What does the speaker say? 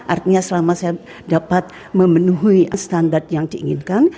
artinya selama saya dapat memenuhi standar yang diinginkan